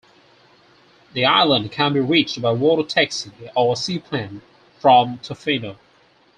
The island can be reached by water-taxi or seaplane from Tofino.